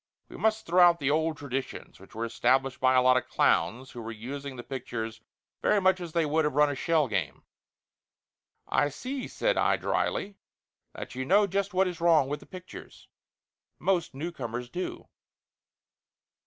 We must throw out the old traditions, which were established by a lot of clowns who were using the pictures very much as they would have run a shell game." "I see," said I dryly, "that you know just what is wrong with the pictures. Most newcomers do."